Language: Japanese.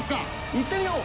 行ってみよう！